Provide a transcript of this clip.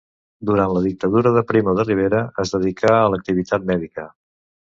Durant la dictadura de Primo de Rivera es dedicà a l'activitat mèdica.